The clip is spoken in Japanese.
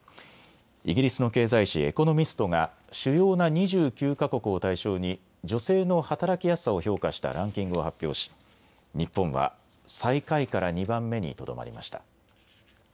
イギリスの経済誌、エコノミストが主要な２９か国を対象に女性の働きやすさを評価したランキングを発表し日本は最下位から２番目にとどまりました。